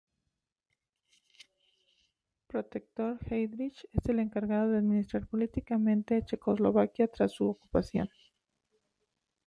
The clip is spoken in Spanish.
Protector Heydrich: Es el encargado de administrar políticamente a Checoslovaquia tras su ocupación.